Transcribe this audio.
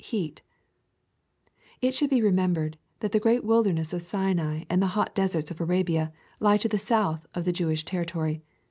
heat"] It should be remembered, that the great wilderness of Sinai and the hot deserts of Arabia, lie to the South of the Jewish territory.